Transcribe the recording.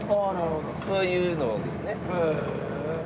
そういうのですね。